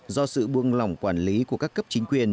do sự buông lỏng quản lý của các cấp chính quyền